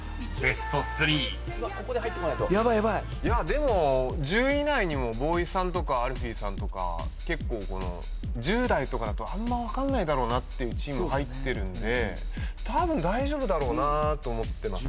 でも１０位以内にもＢＷＹさんとかＡＬＦＥＥさんとか結構この１０代とかだとあんま分かんないだろうなっていうチーム入ってるんでたぶん大丈夫だろうなと思ってます。